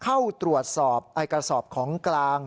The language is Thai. เข้าตรวจสอบกระสอบของกลาง